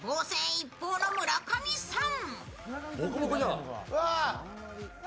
一方の村上さん。